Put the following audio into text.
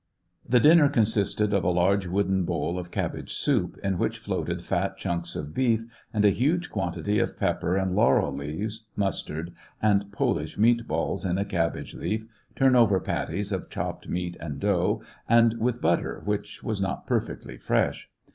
SEVASTOPOL IN AUGUST. 217 The dinner consisted of a large wooden bowl of cabbage soup, in which floated fat chunks of beef, and a huge quantity of pepper and laurel leaves, mustard, and Polish meat balls in a cabbage leaf, turnover patties of chopped meat and dough, and with butter, which was not perfectly fresh.